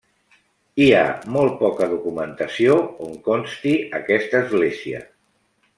Hi ha molt poca documentació on consti aquesta església.